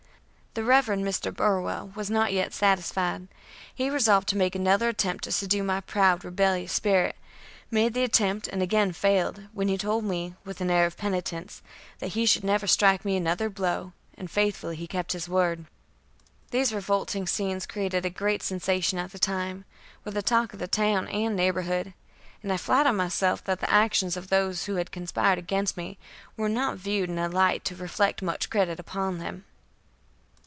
The Rev. Mr. Burwell was not yet satisfied. He resolved to make another attempt to subdue my proud, rebellious spirit made the attempt and again failed, when he told me, with an air of penitence, that he should never strike me another blow; and faithfully he kept his word. These revolting scenes created a great sensation at the time, were the talk of the town and neighborhood, and I flatter myself that the actions of those who had conspired against me were not viewed in a light to reflect much credit upon them.